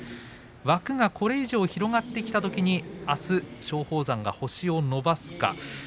枠がこれ以上広がってきたときに松鳳山が星を伸ばせるか。